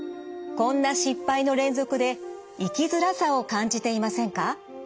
こんな失敗の連続で生きづらさを感じていませんか？